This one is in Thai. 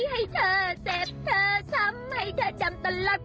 ให้เธอเจ็บเธอช้ำให้เธอจำตลก